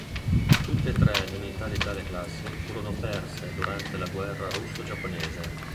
Tutte e tre le unità di tale classe furono perse durante la guerra russo-giapponese.